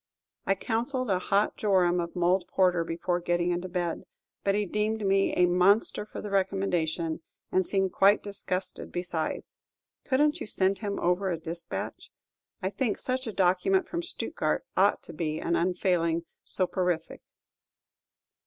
I counselled a hot jorum of mulled porter before getting into bed; but he deemed me a monster for the recommendation, and seemed quite disgusted besides. Could n't you send him over a despatch? I think such a document from Stuttgard ought to be an unfailing soporific.